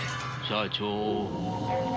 社長。